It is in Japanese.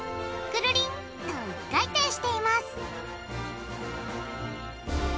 くるりんと１回転しています